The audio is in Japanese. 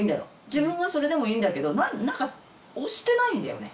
自分はそれでもいいんだけど何か押してないんだよね